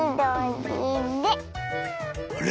あれ⁉